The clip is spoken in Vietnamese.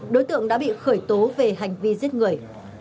đối tượng đã bị khởi tố về hành vi giết người